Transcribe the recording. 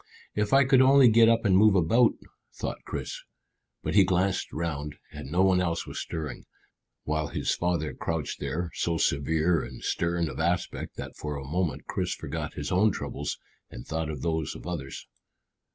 "If I could only get up and move about," thought Chris. But he glanced round, and no one else was stirring, while his father crouched there so severe and stern of aspect that for the moment Chris forgot his own troubles and thought of those of others.